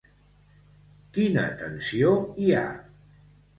Quina tensió hi ha?